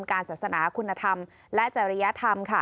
การศาสนาคุณธรรมและจริยธรรมค่ะ